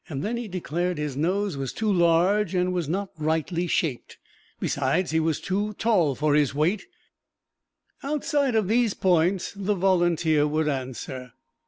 Then he declared his nose was too large and was not rightly shaped; besides, he was too tall for his weight: outside of these points the Volunteer would answer.